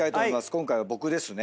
今回は僕ですね。